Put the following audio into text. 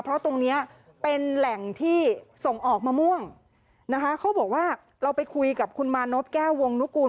เพราะตรงเนี้ยเป็นแหล่งที่ส่งออกมะม่วงนะคะเขาบอกว่าเราไปคุยกับคุณมานพแก้ววงนุกูล